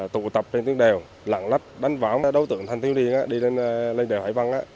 tụ tập trên tiếng đèo lặng lách đánh vãm đấu tượng thanh thiếu niên đi lên đèo hải văn